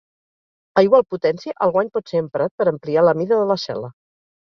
A igual potència el guany pot ser emprat per ampliar la mida de la cel·la.